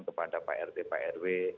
kepada pak rt pak rw